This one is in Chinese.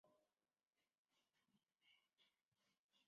沙口镇是下辖的一个乡镇级行政单位。